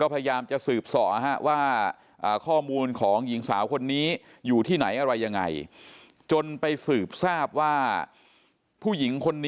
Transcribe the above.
เป็นทหาร